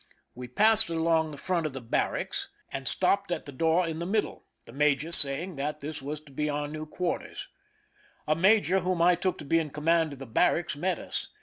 We passed along the front of the barracks, and stopped 220 PRISON LIFE THE SIEGE at the door in the middle, the major saying that this was to be our new quarters. A major whom I took to be in command of the barracks met us.